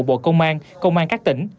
bộ công an công an các tỉnh